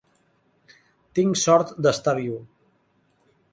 Tinc sort d"estar viu.